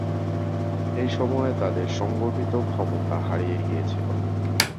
এই সময়ে তাদের সংগঠিত ক্ষমতা হারিয়ে গিয়েছিল।